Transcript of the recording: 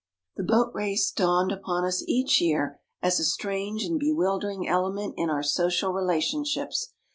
The Boat Race dawned upon us each year as a strange and bewildering element in our social relationships.